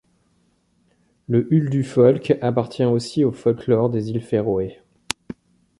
Le Huldufólk appartient aussi au folklore des îles Féroé.